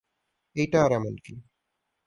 এইটা আর এমন কি?